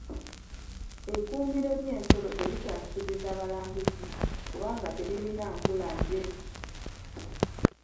Ekkuumiro ly'ensolo terikyasikiriza balambuzi kubanga teririna nkula njeru.